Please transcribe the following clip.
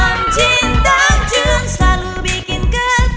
om jin dan jun selalu bikin ketawa